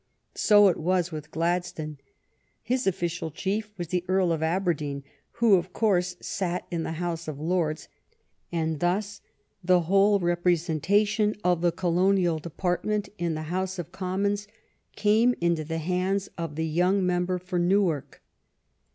So it was with Gladstone. His official chief was the Earl of Aberdeen, who, of course, sat in the House of Lords, and thus the whole representa tion of the Colonial Department in the House of Commons came into the hands of the young member for Newark.